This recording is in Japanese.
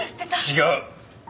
違う。